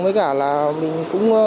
với cả là mình cũng